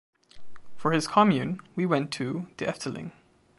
For his commune, we went to de Efteling.